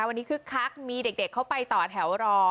วันนี้คึกคักมีเด็กเขาไปต่อแถวรอ